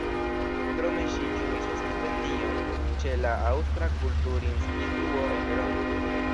Krome ŝi ĝuis stipendion ĉe la Aŭstra kulturinstituo en Romo.